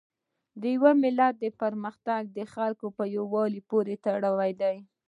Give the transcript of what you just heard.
د یو ملت پرمختګ د خلکو په یووالي پورې تړلی دی.